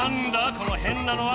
このへんなのは！